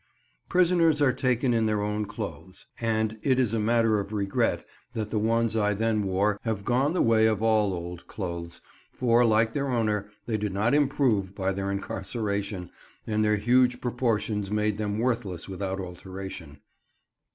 Prisoners are taken in their own clothes, and it is a matter of regret that the ones I then wore have gone the way of all old clothes, for, like their owner, they did not improve by their incarceration, and their huge proportions made them worthless without alteration.